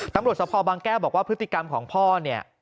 ตำรวจสภาพบางแก้วบอกว่าพฤติกรรมของพ่อเนี่ย